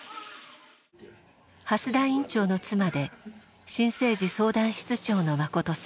蓮田院長の妻で新生児相談室長の真琴さん。